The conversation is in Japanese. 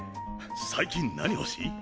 最近何欲しい？